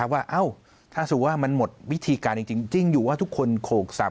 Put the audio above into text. ว่าถ้าสมมุติว่ามันหมดวิธีการจริงอยู่ว่าทุกคนโขกสับ